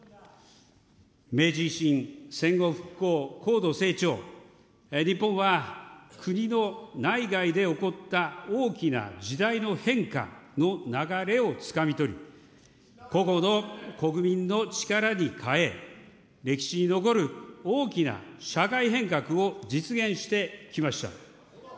明治維新、戦後復興、高度成長、日本は国の内外で起こった、大きな時代の変化の流れをつかみ取り、個々の国民の力に変え、歴史に残る大きな社会変革を実現してきました。